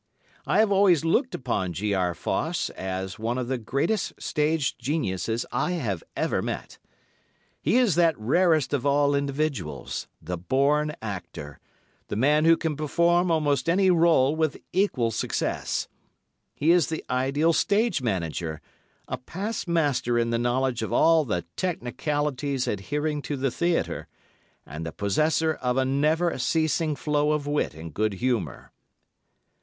I have always looked upon G. R. Foss as one of the greatest stage geniuses I have ever met. He is that rarest of all individuals—the born actor—the man who can perform almost any rôle with equal success. He is the ideal stage manager, a past master in the knowledge of all the technicalities adhering to the theatre, and the possessor of a never ceasing flow of wit and good humour.